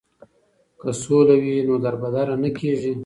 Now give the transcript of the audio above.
که سوله وي نو دربدره نه کیږي.